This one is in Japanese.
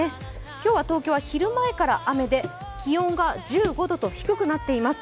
今日は東京は昼前から雨で気温が１５度と低くなっています。